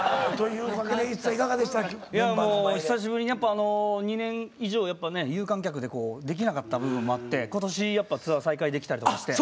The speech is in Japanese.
いやもう久しぶりにやっぱ２年以上やっぱね有観客でできなかった部分もあって今年やっぱツアー再開できたりとかして。